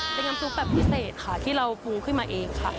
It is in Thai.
เป็นน้ำซุปแบบพิเศษค่ะที่เราปรุงขึ้นมาเองค่ะ